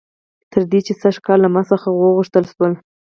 تر دې چې سږ کال له ما څخه وغوښتل شول